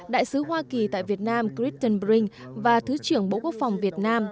đại sứ hoa kỳ tại việt nam critton brink và thứ trưởng bộ quốc phòng việt nam